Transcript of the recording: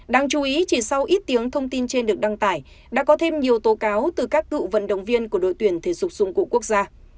đáng chú ý chỉ sau ít tiếng thông tin trên được đăng tải đã có thêm nhiều tố cáo từ các cựu vận động viên của đội tuyển thể dục dụng cụ quốc gia